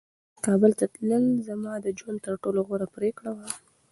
کابل ته تلل زما د ژوند تر ټولو غوره پرېکړه وه.